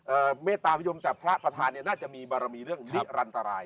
เมตตาพยมแต่พระประธานเนี่ยน่าจะมีบารมีเรื่องนิรันตราย